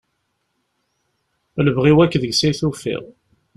Lebɣi-w akk deg-s ay tufiɣ.